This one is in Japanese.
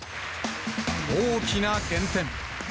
大きな減点。